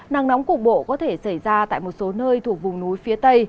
nắng nóng cục bộ có thể xảy ra tại một số nơi thuộc vùng núi phía tây